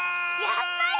やっぱり！